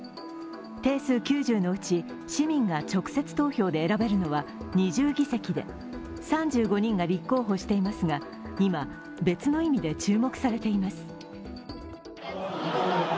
定数９０のうち市民が直接投票で選べるのは２０議席で３５人が立候補していますが、今、別の意味で注目されています。